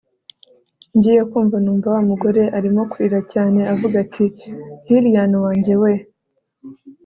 ngiye kumva numva wamugore arimo kurira cyane avuga ati lilian wanjye weeeeee